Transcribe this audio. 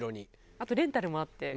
あとレンタルもあって。